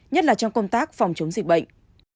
nhất là trong công tác phòng chống dịch bệnh